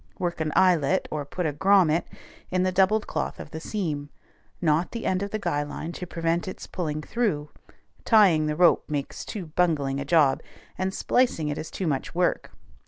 Work an eyelet, or put a grommet, in the doubled cloth of the seam; knot the end of the guy line to prevent its pulling through: tying the rope makes too bungling a job, and splicing it is too much work.